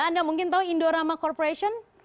anda mungkin tahu indorama corporation